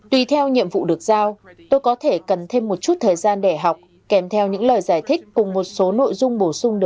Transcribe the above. tùy theo nhiệm vụ được giao tôi có thể cần thêm một chút thời gian để học kèm theo những lời giải thích cùng một số nội dung bổ sung được